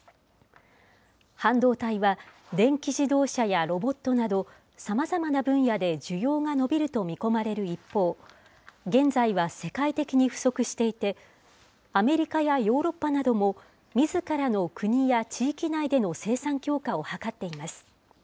半導体は、電気自動車やロボットなど、さまざまな分野で需要が伸びると見込まれる一方、現在は世界的に不足していて、アメリカやヨーロッパなども、みずからの国や地域内での生産強化を図っています。